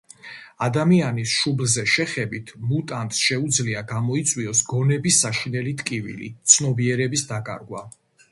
ადამიანის შუბლზე შეხებით მუტანტს შეუძლია გამოიწვიოს გონების საშინელი ტკივილი, ცნობიერების დაკარგვა.